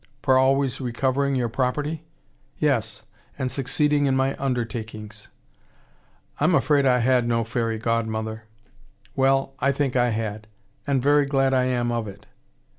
"For always recovering your property?" "Yes and succeeding in my undertakings." "I'm afraid I had no fairy godmother." "Well I think I had. And very glad I am of it."